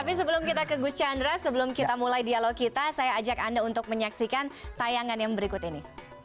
tapi sebelum kita ke gus chandra sebelum kita mulai dialog kita saya ajak anda untuk menyaksikan tayangan yang berikut ini